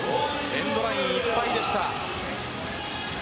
エンドラインいっぱいでした。